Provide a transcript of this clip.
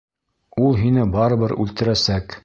Ул һине барыбер үлтерәсәк.